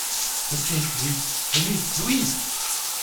Venez, Louise, venez ! LOUISE.